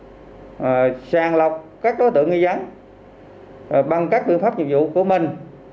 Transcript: chúng tôi đã xác định đối tượng nghi giắn sàng lọc các đối tượng nghi giắn bằng các biện pháp nhiệm vụ của mình